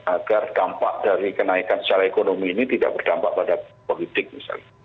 agar dampak dari kenaikan secara ekonomi ini tidak berdampak pada politik misalnya